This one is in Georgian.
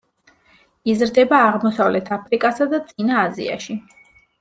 იზრდება აღმოსავლეთ აფრიკასა და წინა აზიაში.